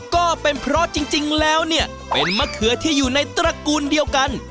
ก็เป็นเพราะจริงแล้วเนี่ยเป็นมะเขือที่อยู่ในตระกูลเดียวกัน